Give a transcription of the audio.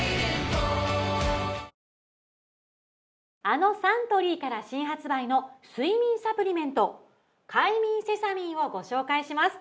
あのサントリーから新発売の睡眠サプリメント「快眠セサミン」をご紹介します